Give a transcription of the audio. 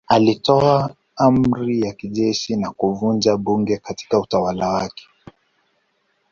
Alitoa amri ya kijeshi ya kuvunja bunge katika utawala wake.